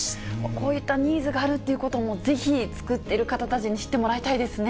こういったニーズがあるってことも、ぜひ作ってる方たちに知ってもらいたいですね。